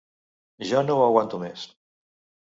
Ja no ho aguanto més.